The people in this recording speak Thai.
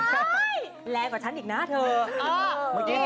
ใช่แรงกว่าฉันอีกนะเธอ